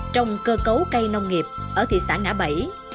trong cơ cấu cây nông nghiệp ở thị xã ngã bảy